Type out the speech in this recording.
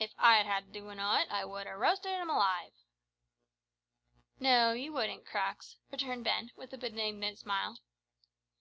If I had had the doin' o't, I'd have roasted him alive." "No, you wouldn't, Crux," returned Ben, with a benignant smile.